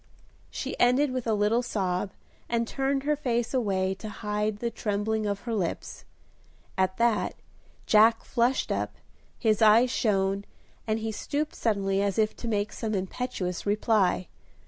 She ended with a little sob, and turned her face away to hide the trembling of her lips. At that, Jack flushed up, his eyes shone, and he stooped suddenly as if to make some impetuous reply.